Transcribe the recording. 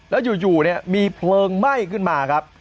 แล้วอยู่เนี่ยมีเพลิงไหม้ขึ้นมาครับ